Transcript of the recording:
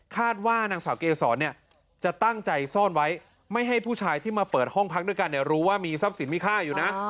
ว่านางสาวเกษรจะตั้งใจซ่อนไว้ไม่ให้ผู้ชายที่มาเปิดห้องพักด้วยกันรู้ว่ามีทรัพย์สินมีค่าอยู่นะ